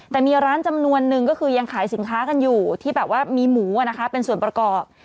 แต่มีร้านจำนวนนึงก็คือยังขายสินค้ากันอยู่ที่แบบว่ามีหมูเป็นส่วนประกอบ